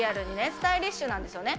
スタイリッシュなんですよね。